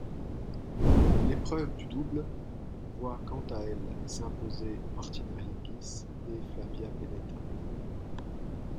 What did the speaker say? L'épreuve de double voit quant à elle s'imposer Martina Hingis et Flavia Pennetta.